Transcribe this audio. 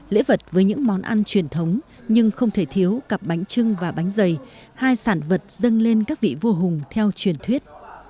lễ vật với những món ăn truyền thống nhưng không thể thiếu cặp bánh trưng và bánh dày hai sản vật dâng lên các vị vua hùng theo truyền thuyết